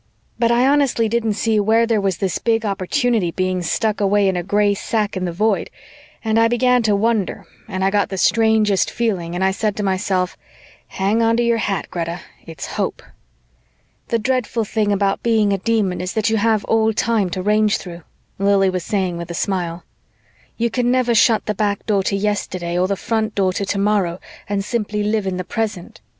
But I honestly didn't see where there was this big opportunity being stuck away in a gray sack in the Void and I began to wonder and I got the strangest feeling and I said to myself, "Hang onto your hat, Greta. It's hope." "The dreadful thing about being a Demon is that you have all time to range through," Lili was saying with a smile. "You can never shut the back door to yesterday or the front door to tomorrow and simply live in the present.